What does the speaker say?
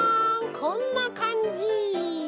こんなかんじ。